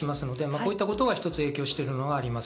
こういったことが一つ影響しているのがあります。